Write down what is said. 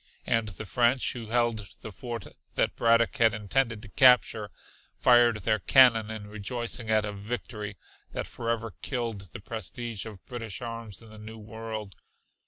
And the French, who held the fort that Braddock had intended to capture, fired their cannon in rejoicing at a victory that forever killed the prestige of British arms in the New World.